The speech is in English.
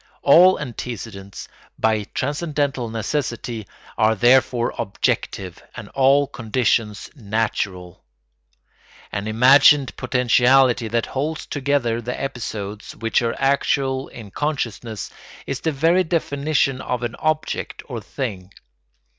All antecedents, by transcendental necessity, are therefore objective and all conditions natural. An imagined potentiality that holds together the episodes which are actual in consciousness is the very definition of an object or thing.